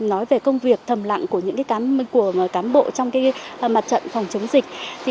nói về công việc thầm lặng của những cán bộ trong mặt trận phòng chống dịch